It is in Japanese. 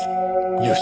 よし。